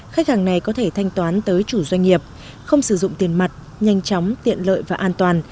khách hàng này có thể thanh toán tới chủ doanh nghiệp không sử dụng tiền mặt nhanh chóng tiện lợi và an toàn